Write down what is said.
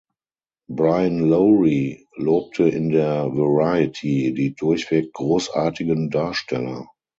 Brian Lowry lobte in der "Variety" die durchweg großartigen Darsteller.